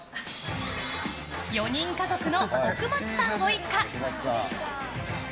４人家族の奥松さんご一家。